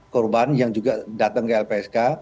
korban yang juga datang ke lpsk